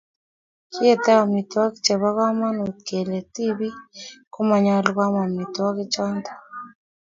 Kiete amitwogik chebo komonut kele tibik komonyolu koam amitwogik choto